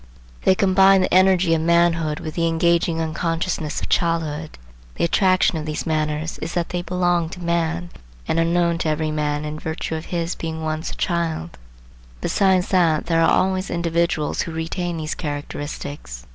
They combine the energy of manhood with the engaging unconsciousness of childhood. The attraction of these manners is that they belong to man, and are known to every man in virtue of his being once a child; besides that there are always individuals who retain these characteristics.